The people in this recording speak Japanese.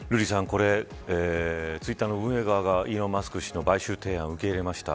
これツイッターの運営側がイーロン・マスク氏の買収提案を受け入れました。